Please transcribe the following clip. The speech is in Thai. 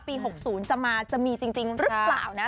๖๐จะมาจะมีจริงหรือเปล่านะ